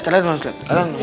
kalian harus liat